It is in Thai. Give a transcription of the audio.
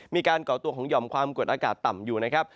มีการเกาะตัวของยอมความกวดอากาศต่ำอยู่นะครับ